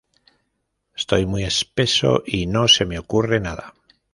Estoy muy espeso y no se me ocurre nada